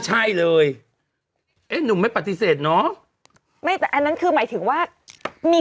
ใช่เลยเอ๊ะหนุ่มไม่ปฏิเสธเนอะไม่แต่อันนั้นคือหมายถึงว่ามี